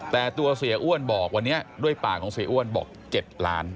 แต่ตัวเสียอ้วนบอกวันนี้ด้วยปากของเสียอ้วนบอก๗ล้าน